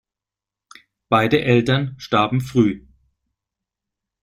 Beide Eltern starben früh.